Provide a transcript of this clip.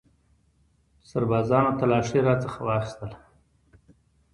سربازانو تلاشي رانه واخیستله.